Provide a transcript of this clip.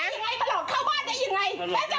มันก็อย่างไรปะเหรอเข้าบ้านได้อย่างไร